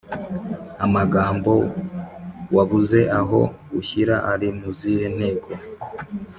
amagambo wabuze aho ushyira ari mu zihe nteko?